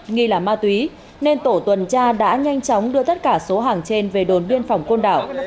nghi là ma túy nên tổ tuần tra đã nhanh chóng đưa tất cả số hàng trên về đồn biên phòng côn đảo